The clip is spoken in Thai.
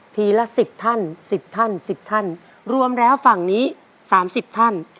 ละสิบท่านสิบท่านสิบท่านรวมแล้วฝั่งนี้สามสิบท่าน